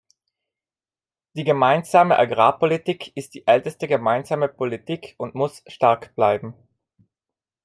Die Gemeinsame Agrarpolitik ist die älteste gemeinsame Politik und muss stark bleiben.